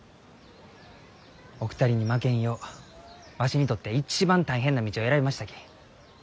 お二人に負けんようわしにとって一番大変な道を選びましたき。